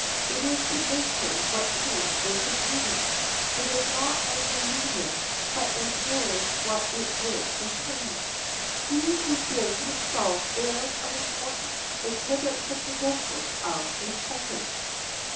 It is to nature what paint is to beauty; it is not only needless, but it impairs what it would improve. He who gives himself airs of importance exhibits the credentials of impotence.